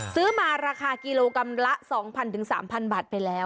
ซื้อมาราคากิโลกรัมละ๒๐๐๓๐๐บาทไปแล้ว